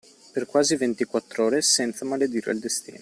Per quasi ventiquattr'ore, senza maledire il destino.